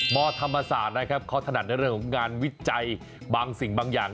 ธรรมศาสตร์นะครับเขาถนัดในเรื่องของงานวิจัยบางสิ่งบางอย่าง